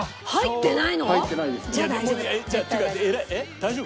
大丈夫？